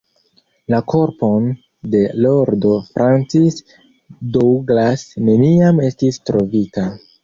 La korpon de Lordo Francis Douglas neniam estis trovita.